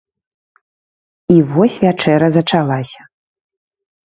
І вось вячэра зачалася!